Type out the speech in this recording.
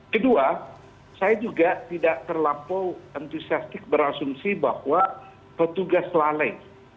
kedua saya juga tidak terlampau entusiastik berasumsi bahwa petugas lalai